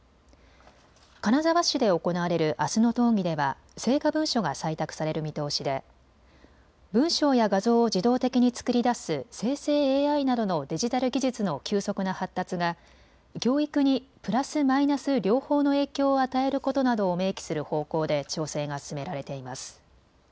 金沢市で行われるあすの討議では成果文書が採択される見通しで文章や画像を自動的に作り出す生成ＡＩなどのデジタル技術の急速な発達が教育にプラス・マイナス両方の影響を与えることなどを明記する方向で調整が進められています。